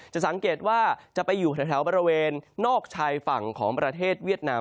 จะสังเกตว่าจะไปอยู่แถวบริเวณนอกชายฝั่งของประเทศเวียดนาม